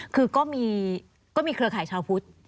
คือก็มีเครือข่ายชาวพุทธ